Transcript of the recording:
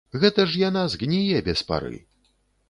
Гэта ж яна згніе без пары.